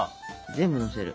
全部のせる。